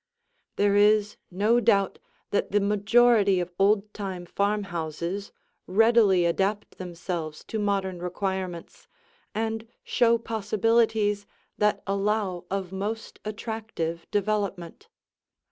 There is no doubt that the majority of old time farmhouses readily adapt themselves to modern requirements and show possibilities that allow of most attractive development.